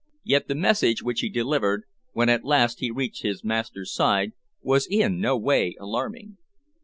Yet the message which he delivered, when at last he reached his master's side, was in no way alarming.